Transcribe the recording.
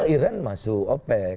iran masuk opec